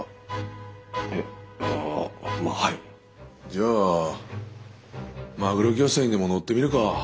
じゃあマグロ漁船にでも乗ってみるか。